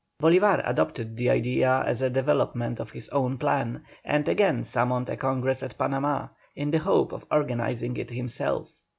Bolívar adopted the idea as a development of his own plan, and again summoned a Congress at Panama, in the hope of organizing it himself.